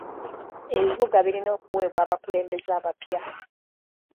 Ebibuga birina okuweebwa abakulembeze abapya .